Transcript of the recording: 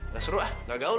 gak seru ah gaul gaul